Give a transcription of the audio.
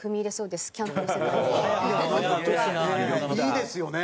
いいですよね。